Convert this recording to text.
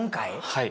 はい。